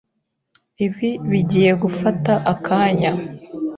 Ibi bigiye gufata akanya.